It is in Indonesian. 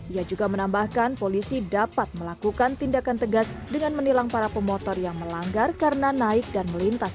ia juga menambahkan polisi dapat melakukan tindakan tegas dengan menilang para pemotor yang melanggar karena naik dan melintas